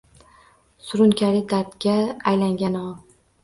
Surunkali dardga aylangan o